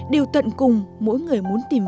điều tận cùng mỗi người muốn tìm